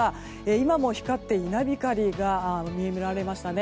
今も稲光が見られましたね。